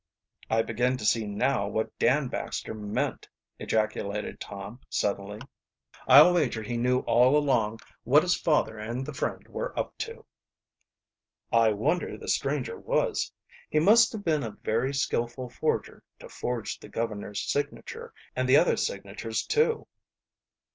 "I begin to see now what Dan Baxter meant," ejaculated Tom suddenly. "I'll wager he knew all along what his father and the friend were up to." "I wonder who the stranger was? He must have been a very skillful forger to forge the governor's signature and the other signatures too."